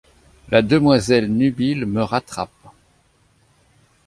La demoiselle nubile me rattrape.